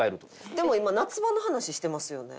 でも今夏場の話してますよね？